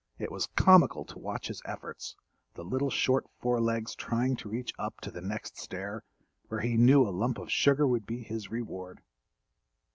It was comical to watch his efforts—the little short forelegs trying to reach up to the next stair, where he knew a lump of sugar would be his reward.